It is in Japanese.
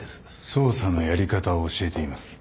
捜査のやり方を教えています。